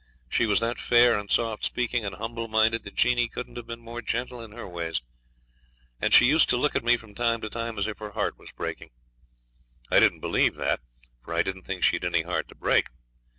She was that fair and soft speaking and humble minded that Jeanie couldn't have been more gentle in her ways; and she used to look at me from time to time as if her heart was breaking. I didn't believe that, for I didn't think she'd any heart to break.